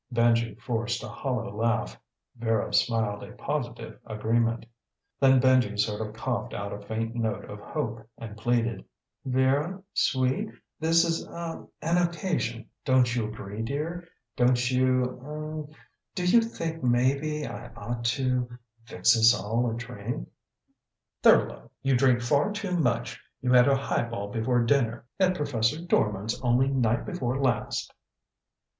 Benji forced a hollow laugh. Vera smiled a positive agreement. Then Benji sort of coughed out a faint note of hope and pleaded, "Vera, sweet, this is a uh an occasion, don't you agree, dear? Don't you ah do you think maybe I ought to fix us all a drink?" "Thurlow! You drink far too much! You had a highball before dinner at Professor Dorman's only night before last."